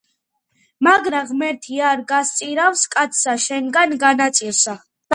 მაგრა ღმერთი არ გასწირავს კაცსა, შენგან განაწირსა